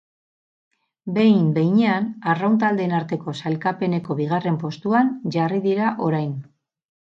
Behin behinean arraun taldeen arteko sailkapeneko bigarren postuan jarri dira orain.